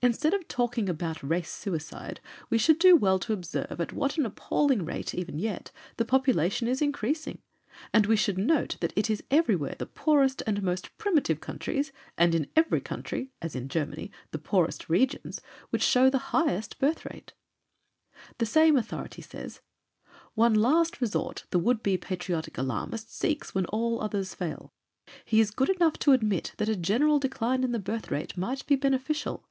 Instead of talking about Race Suicide, we should do well to observe at what an appalling rate, even yet, the population is increasing; and we should note that it is everywhere the poorest and most primitive countries, and in every country (as in Germany) the poorest regions, which show the highest birth rate." The same authority says: "One last resort the would be patriotic alarmist seeks when all others fail. He is good enough to admit that a general decline in the birth rate might be beneficial.